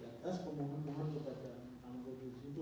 pemohon pemohon juga dalam angkut di situ